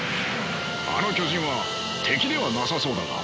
あの巨人は敵ではなさそうだが。